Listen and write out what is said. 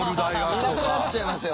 いなくなっちゃいますよ。